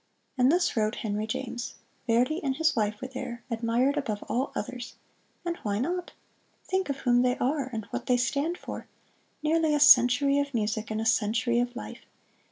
And thus wrote Henry James: "Verdi and his wife were there, admired above all others. And why not? Think of whom they are, and what they stand for nearly a century of music, and a century of life!